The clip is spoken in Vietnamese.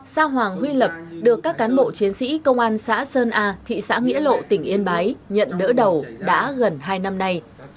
sa hoàng huy lập được các cán bộ chiến sĩ công an xã sơn a thị xã nghĩa lộ tỉnh yên bái nhận đỡ đầu đã gần hai năm nay